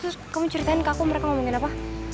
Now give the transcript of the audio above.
terus kamu ceritain ke aku mereka ngomongin apa